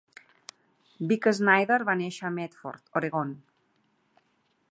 Vic Snyder va néixer a Medford, Oregon.